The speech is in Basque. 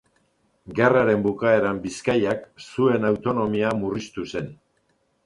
Gerraren bukaeran Bizkaiak zuen autonomia murriztu zen.